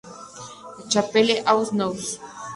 La Chapelle-aux-Naux